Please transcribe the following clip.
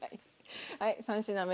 はい３品目。